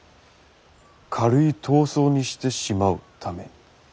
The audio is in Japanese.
軽い痘瘡にしてしまうために。